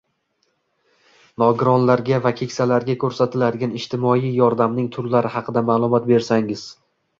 Nogironlarga va keksalarga ko‘rsatiladigan ijtimoiy yordamning turlari haqida ma’lumot bersangiz?